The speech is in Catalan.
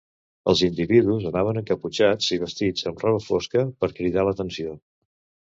Els individus anaven encaputxats i vestits amb roba fosca per cridar l'atenció.